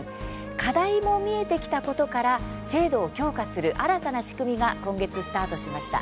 課題も見えてきたことから制度を強化する新たな仕組みが今月、スタートしました。